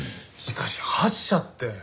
しかし８社って。